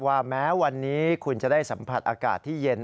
แม้วันนี้คุณจะได้สัมผัสอากาศที่เย็น